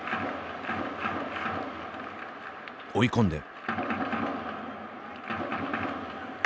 追い込んで。